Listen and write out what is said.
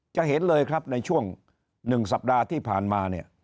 จะเห็นเลยครับในช่วง๑สัปดาห์ที่ผ่านมาเนี่ย